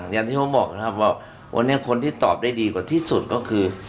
อย่างที่ผมบอกว่าคนที่ตอบได้ดีกว่าที่สุดก็คือ